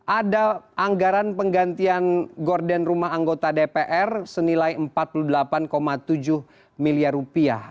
ada anggaran penggantian gorden rumah anggota dpr senilai empat puluh delapan tujuh miliar rupiah